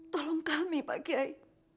tolong kami pak kiai